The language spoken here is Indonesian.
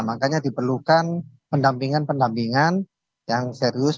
makanya diperlukan pendampingan pendampingan yang serius